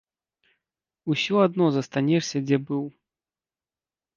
Усё адно застанешся дзе быў.